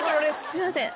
すいません。